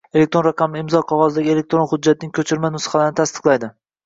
elektron raqamli imzoli qog‘ozdagi elektron hujjatlarning ko‘chirma nusxalarini tasdiqlaydi;